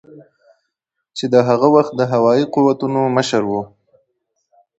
چې د هغه وخت د هوایي قوتونو مشر ؤ